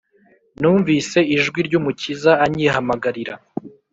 Numvise ijwi ry’umukiza anyihamagarira